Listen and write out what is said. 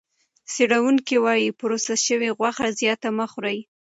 څېړونکي وايي پروسس شوې غوښه زیاته مه خورئ.